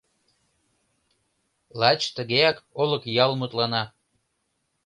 Лач тыгеак Олыкъял мутлана.